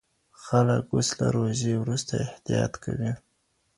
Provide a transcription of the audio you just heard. خلک اوس له روژې وروسته احتیاط کوي.